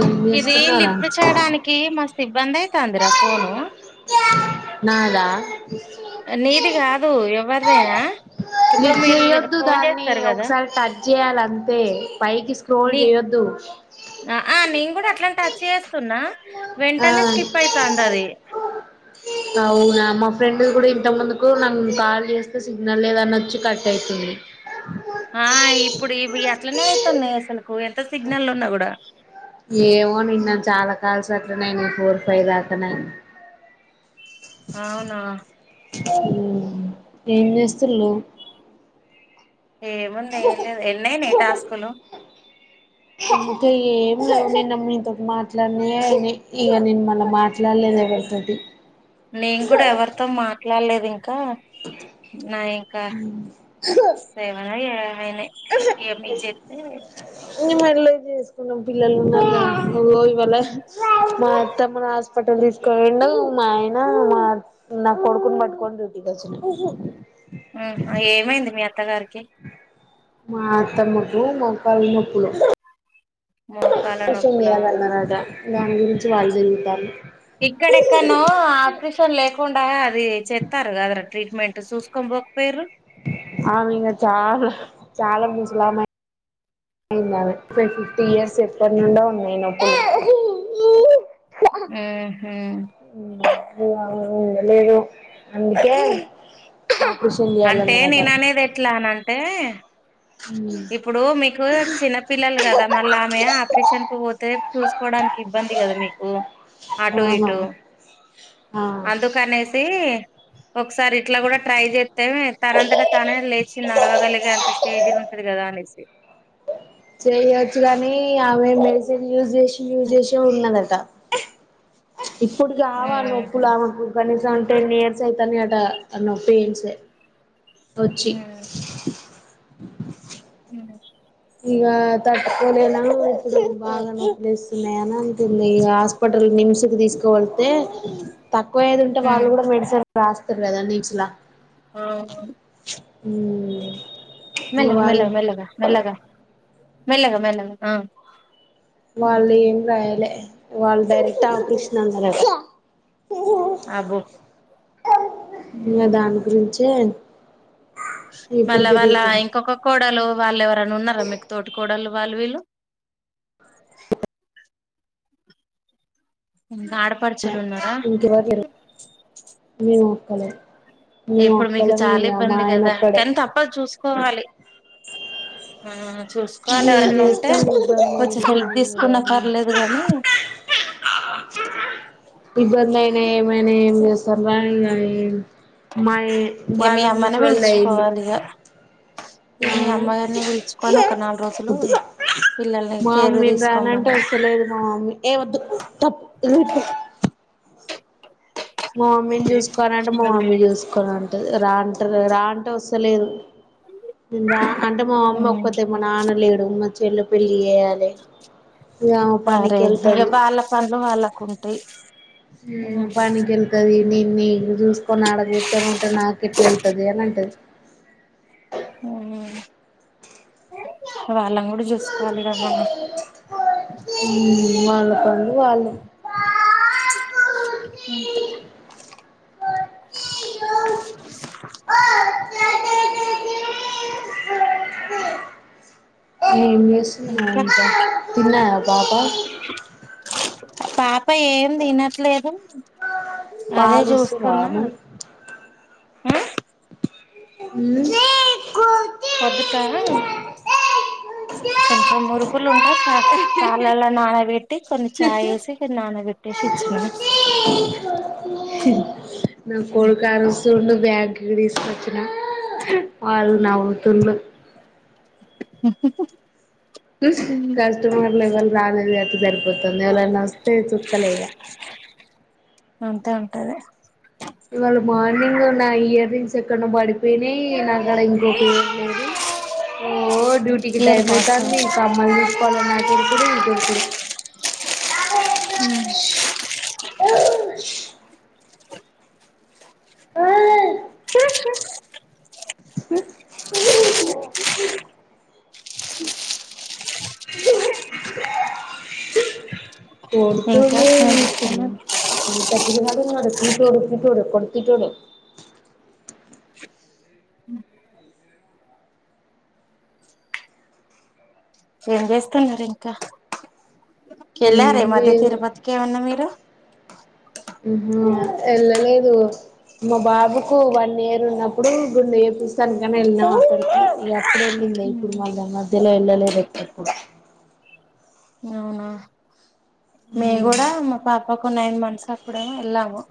ఏం ఇది చేస్తున్నారా లిఫ్ట్ చేయడానికి మస్తు ఇబ్బందయ్ తాందిరా ఫోను నాదా నీది కాదు ఎవరిదైనా ఇప్పుడు నీకు మీరు చేయొద్దు ఫోన్ దాన్ని చేస్తారు కదా, ఒకసారి టచ్ చేయాలి అంతే పైకి స్క్రోల్ నీ చేయొద్దు నా నేన్ కూడా అట్లా. టచ్ చేస్తున్న ఆ అవునా. మ ఫ్రెండ్ ది కూడా ఇంత ముందుకు నన్ కాల్ చేస్తే సిగ్నల్ లేదని వచ్చి కట్ అయితుంది. ఆ ఇప్పుడు ఇవి అట్లనే అయితున్నాయి అసలు కు ఇ సిగ్నల్ ఉన్నా కూడా ఏమో నిన్న చాలా కాల్స్ అట్లనే అయింది ఫోర్ ఫై దాకానే అయి అవునా ఏం చేస్తుళ్ళు ఏముంది ఏం లేదు ఎన్నయినాయి టాస్కులు అందుకే ఏం లేవ్ నిన్న మీతోటి మాట్లాడినేయి అయినాయి, ఇగ నేన్ మన మాట్లాడలేదు ఎవరితోటి. నేను కూడా ఎవరితో మాట్లాడ్ లేద్ కా నా ఇంకా సెవెన్ ఏ అయినయి ఏమిజ్ జేతే నే మళ్ళ చేస్త నం పిల్లలు ఉన్నరుగా ఇగో ఇవాళ మా అత్తమ్మ హాస్పిటల్ తీసుకు పోయిండు మా ఆయన మా నా కొడుకుని పట్టుకోని డ్యూటీకి వచ్చిండు ఉమ్ ఏమైంది మీ అత్తగారికి ఓకే మా అత్తమ్మకు మోకాళ్ళ నొప్పులు మోకాల ఆపరేషన్ నొప్పులా చేయాలి అన్నరంటా దాని గురించి వాళ్ళు తిరుగుతాండ్రు ఇక్కడెక్కనో ఆపరేషన్ లేకుండా అది చెత్తారు కదరా ట్రీట్మెంట్ చూసుకోని బోకపోయారు ఆమెంగ చాలా చాల ముసలామె అయింది ఆమె ఫై ఫిఫ్టీ ఇయర్స్ ఎప్పటి నుండో నైనాకు ఆహా లేదు అందుకే ఆపరేషన్ అంటే చేయాలన్నరట నేన అనేది ఎట్లా అనంటే ఇప్పుడు మీకు చిన్న పిల్లలు క దా మళ్ళీ ఆమె ఆపరేషన్ కు పోతే చూసుకోవడానికి ఇబ్బంది కదా మీకు అటు ఆహా ఇటు ఆ అందుకనేసి ఒకసారి ఇట్లా కూడా ట్రై చేస్తే తనంతట తనే లేచి చి నడవ గలిగే అంత స్టేజ్ ఉంట అది కదా అనేసి చెయ్యొచ్చు కానీ ఆమె మెడిసిన్ యూజ్ చేసి యూజ్ చేసి ఉన్నాదట ఇప్పుడుకి కావాలి ఊహూ నొప్పులు ఆమెకు ఇక్కడ నుంచి ఏరౌండ్ టెన్ ఇయర్స్ అయిత నాయి అట అ నొప్పి పెయిన్స్ ఏ వచ్చి ఉమ్ ఇక తట్టుకోలేనా ఇప్పుడు బాగా నొపిలేస్తున్నాయి అని అంటుంది ఇక హాస్పిటల్ నిమ్స్ కి తీసుకు వే టే తక్కువ అయేది ఉంటే ఊ వాళ్ళు కూడా మెడిసిన్ రాస్తారు కదా నీచులా ఆహా ఉమ్ మెల్లగా మెల్లగా మెల్లగా మెల్లగా మెల్లగా మెల్లగా ఆ వాళ్ళు ఏం రాయాలే వాళ్ళు డేటా ఆప్స్ [unintelligible] అబ్బో ఇకా దాని గురించే ఇప్పుడు మల్ల వాళ్ళ తిరుగుతుంది ఇంకొక కోడలు వాళ్ళు ఎవరనా ఉన్నారా మీకు తోటికోడలు వాళ్ళు వీళ్ళు అడపాడు ఇంటి [unintelligible] హలో ఇప్పుడు మీకు చాలా ఇబ్బంది కదా ఒక్కడే కానీ తప్పదు చూసుకోవాలి ఆ చూసుకోవాలి ఏం ఎవరైనా ఉంటే చేస్తాం కొంచెం హెల్ప్ తీసుకున్నా పర్లేదు గాని [unintelligible] [unintelligible] మై ఇగ మీ వాళ్ళు అమ్మనే ముసులిలైయిడు పిలుచుకోవాలి ఇగ ఇగ మీ అమ్మగారిని పిలుచుకొని ఒక నాలుగు రోజులు పిల్లల్ని మా కేర్ మమ్మీ [unintelligible] అంటే తీసుకోమనాలి అసలేదు మా మమ్మీ ఏ వద్దు తప్పు మా మమ్మీని చూసుకో అంటే మా మమ్మీ చూసుకోని అంటది రా అంటారు రా అంటే వస్తలేదు నను రా అంటే మా మమ్మీ ఉమ్ ఒక్కతే మా నాన్న లేడు చెల్లి పెళ్ అరే ఇక వెళ్తది వాళ్ళ పనులు వాళ్ళకు ఉంటాయి పనికి వెళ్తది నేన్న ఇడా చూసుకొని ఆడ [unintelligible] నాకు ఎట్లా అయ్యితది [unintelligible] మ్మ్ వాళ్ళం కూడా చూసుకోవాలి కద మనం ఉమ్ వాళ్ళ పనులు వాళ్ళు అంతే [unintelligible] ఏం చేస్తున్నా ఇంకా తిన్నావా పాప పా [unintelligible] ఏం తినట్లేదు అదే పాలిస్తునవ చూస్తున్నా నువ్వు ఆ పొద్దుట కొంచెం మురుకులు ఉంటే పళ్లలో నానబెట్టి కొన్ని చాయ్ వేసి కొన్ని నానబెట్టేసి ఇచ్చినం నా [unintelligible] [unintelligible] బ్యాగ్కి తీసుకు వాళ్ళునవు తుండ్లు [inaudible] కస్టమర్లు ఎవల్ రాలేదు కాబట్టి సరిపోతాంది ఎవలన్నా వస్తే చుక్కలే ఇగ ఉంటే ఉంటది ఇవాళ మార్నింగ్ నా ఇయర్ రింగ్స్ ఎక్కనో పడిపోయినాయి నాక్కడ ఇంకొక ఓ డ్యూటీకి ఇయర్ టైం పాస్ అయితాంది కమ్మలు తీసుకోవాలన్న కొడుకులు హామ్ [inaudible] ఆ [unintelligible] ఇంకా కొడుతుండు ఏం ఈ చేస్తున్నారు తీట పిలగాడున్నాడు తిటోడు తిటోడు కొడుకు తిటోడే ఏం చేస్తున్నారు ఇంకా ఎల్లారా ఏం ఈ మధ్య లేదు తిరుపతికి ఏమన్నా మీరు [inaudible] వెళ్ళలేదు మా బాబుకు వన్ ఇయర్ ఉన్నప్పుడు గుండు చేపిస్తానికని వెళ్ళినాము అక్కడికి అప్పుడు వెళ్ళింది ఇప్పుడు మళ్ళ మధ్యలో వెళ్ళలేదు ఎక్కడికి మేం కూడా మా పాపకి నైన్ మంత్ తప్పుడేమో వెళ్ళాము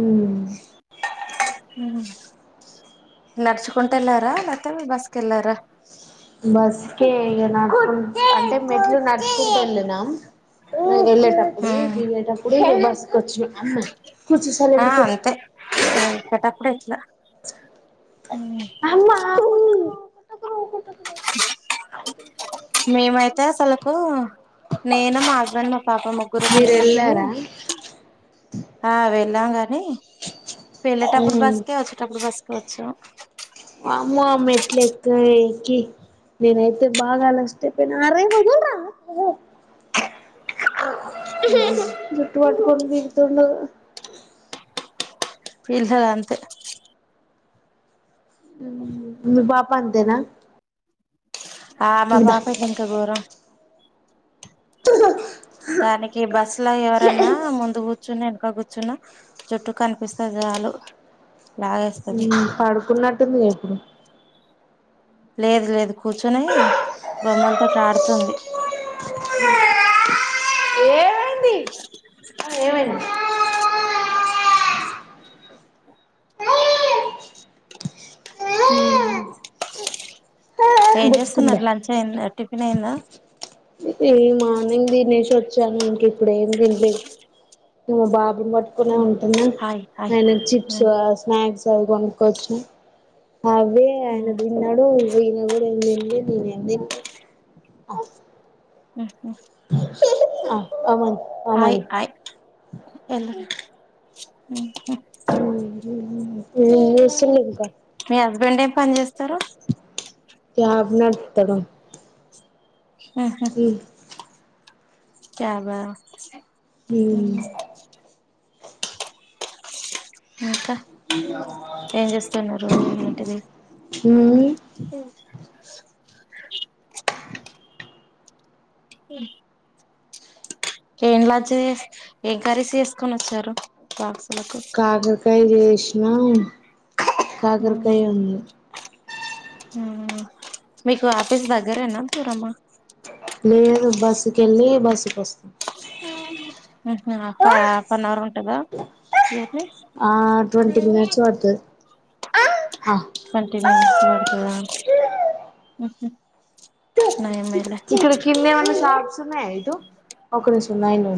ఉమ్ నడుచుకుంటూ వెళ్ళారా లేతే బస్సుకి వెళ్లారా బస్కే ఇగ నడుచుకు అంటే మెట్లు నడుచుకుంటూ వెళ్లి నం వెళ్లేటప్పుడు దిగేటప్పుడు బస్ కూర్చో సైలెంట్ ఆ గా కూర్చో [inaudible] హుమ్ అమ్మ [inaudible] మేమైతే అసలుకు నేను మా హస్బెండ్ మా పాప ముగ్గురు మా మీరు వెళ్ళారా హా వెళ్లి లాంగా వెళ్లేటప్పుడు ఉమ్ బస్సు కే వచ్చేటప్పుడు బస్సు కే వచ్చినం వామ్మో ఆ మెట్లు ఎక్క నేనైతే బాగా అలస్ట అరేయ్ వదుల్ర జుట్టు [unintelligible] తిడుతుండూ పీల్చధి అంతే మీ పాప అంతేనా ఆ మా దా పాపైతే ఇంకా ఘోరం. తనకి బస్ ఇట్లా ఎవరన్నా ముందు కూర్చున్నా వెనక కూర్చున్నా జుట్టు కనిపిస్తే చాలు. లాగేస్తది ఊ పడుకున్నట్టుందిగా ఇప్పుడు. లేదు లేదు కూర్చునీ బొమ్మలతోటి ఆడుతుంది. ఏమైంది ఆ ఏమైంది ఏం బుజ్జుకుందా చేస్తున్నారు లంచ్ అయిందట్ టిఫినయిందా ఏ మార్నింగ్ తినేశి వచ్చాను ఇంక ఇప్పుడు ఏమ్ తిన్లేదు. మా బాబ్ బున్ పట్టుకొనే ఉంటున్నా. హాయ్ హాయ్ ఆయనక్ చిప్సా, స్నాక్స్ గవి గొనుక్కొచ్చిన అవ్వే ఆయన తిన్నడూ. ఇగో ఈయన గూడా ఏం తిన్లే. ఇగేం తిన్లే హ్మ్ అమన్ హాయ్ అమన్ ఆయ్ ఎల్లు ఉ ఏం చేస్తుండు ఇంకా. మీ హస్బెండ్ ఏం పని చేస్తరు క్యాబ్ నడుపుతడు ఆహా క్యాబా హ్మ్ ఇంకా ఏం చేస్తున్నరు ఏంటిది ఉమ్ ఉ ఏం లంచ్ చేసి, ఏం కర్రీస్ చేసుకొని వచ్చారు బాక్స్. కాకర్కాయ్ చేశ్ [unintelligible] కాకరకాయ ఉంది ఆహా! మీకు ఆఫీస్ దగ్గరేనా దూరమా. లేదు బస్సుకెళ్ళీ బస్సుకి వస్తా. హఫ్ హాఫ్ ఆన్ అవర్ ఉంటదా ఆ ట్వంటీ మినిట్స్ పడుతది ఆ ట్వంటీ మినిట్స్ పడుతదా. హ్మ్ హు ఇక్కడ కింద ఏమన్నా షాప్స్ ఉన్నాయా ఇటు ఒకడ సున్నాలు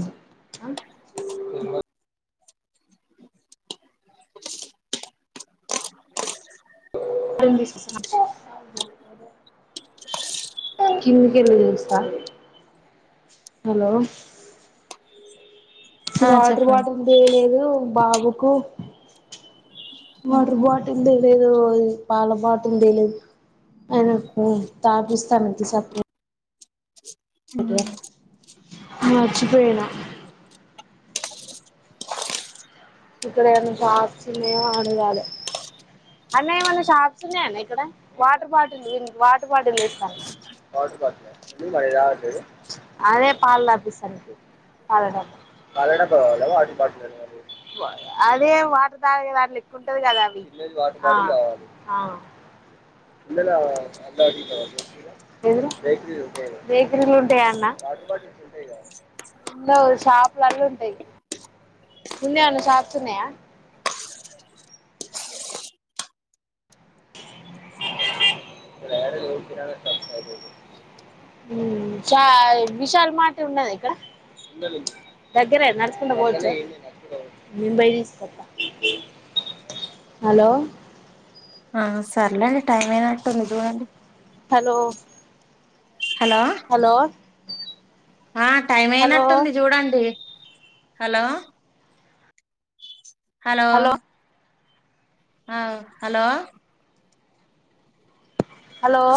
కన్నకళ చస్తా హలో ఆ వాటర్ చెప్పండి బాటిల్ తీయలేదు బాబుకు వాటర్ బాటిల్ ద లేేదు పాలపాటి అ తాపి స్న స హ మర్చిపోయినా ఇక్కడ ఏనా సావాసమయ ఆను కాల అన్న ఏమన్నా షాప్స్ ఉన్నాయాన్న ఇక్కడ వాటర్ బాటిల్ వాటర్ బాటిల్ ఇస్తాను బాటి అదే పాల తపిస్తాను అదే వాటరక్ంటది కదా అవి యా షప్ల ఉంటాయి ముందేన్న షాప్స్ ఉన్నాయా విశల్ మాట ఉన్నది ఇక్క దగ్గరే నడుచకుంటడా పోవచ్చు ముంబై తీస్తప్ప హలో ఆ సర్లేండి టైం ఏనాంటేందిదినండి హలో హలో హలో ఆ టైం హలో అయినట్టుంది చూడండి. హలో హలో ఆ హలో హలో